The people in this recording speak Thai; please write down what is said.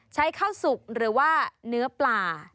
ใช้ข้าวสุกหรือว่าเนื้อปลา